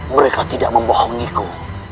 mereka tidak membohongiku